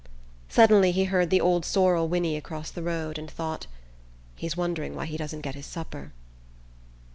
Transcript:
Suddenly he heard the old sorrel whinny across the road, and thought: "He's wondering why he doesn't get his supper..."